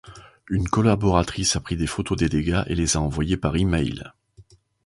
Une collaboratrice a pris des photos des dégâts et les a envoyées par e-mail.